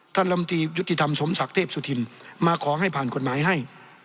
ลำตียุติธรรมสมศักดิ์เทพสุธินมาขอให้ผ่านกฎหมายให้